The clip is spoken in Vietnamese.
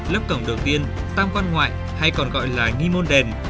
lớp cổng đầu tiên tăm quan ngoại hay còn gọi là nghi môn đền